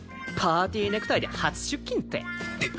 パーティーネクタイで初出勤って。